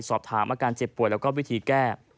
สอบถามอาการเจ็บป่วยแล้วก็วิธีแก้